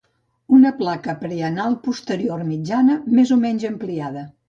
Una placa preanal posterior mitjana més o menys ampliada.